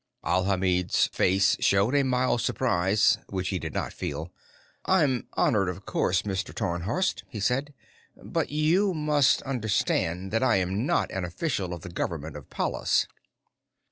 Alhamid's face showed a mild surprise which he did not feel. "I'm honored, of course, Mr. Tarnhorst," he said, "but you must understand that I am not an official of the government of Pallas."